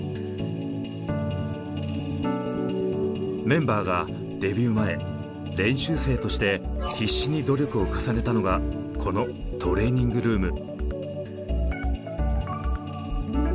メンバーがデビュー前練習生として必死に努力を重ねたのがこのトレーニングルーム。